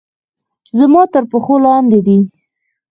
زما تر پښو لاندې دي